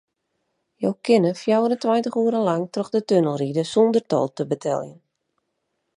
Jo kinne fjouwerentweintich oere lang troch de tunnel ride sûnder tol te beteljen.